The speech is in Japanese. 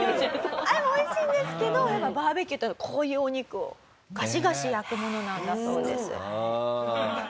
あれも美味しいんですけどやっぱバーベキューといったらこういうお肉をガシガシ焼くものなんだそうです。